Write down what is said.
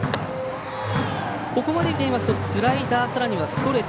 ここまで見てますとスライダー、ストレート